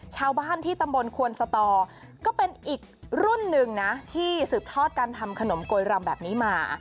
ชาวบ้านที่ตำบลควนสตอก็เป็นอีกรุ่นหนึ่งนะที่สืบทอดการทำขนมโกยรำแบบนี้มา